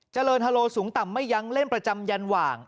เจริญฮาโลสูงต่ำไม่ยั้งเล่นประจำยันหว่าง